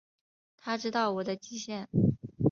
他知道我的极限